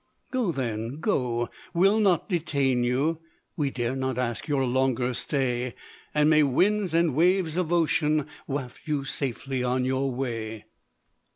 Go then, go! we'll not detain you, We dare not ask your longer stay; And may winds and waves of ocean, Waft you safely on your way.